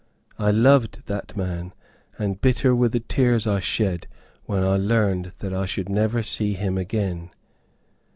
I loved that man, and bitter were the tears I shed when I learned that I should never see him again.